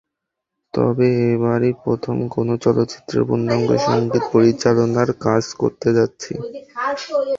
তবে এবারই প্রথম কোনো চলচ্চিত্রের পূর্ণাঙ্গ সংগীত পরিচালনার কাজ করতে যাচ্ছি।